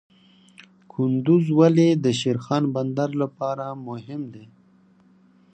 کندز ولې د شیرخان بندر لپاره مهم دی؟